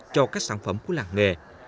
cho các sản phẩm của làng nghề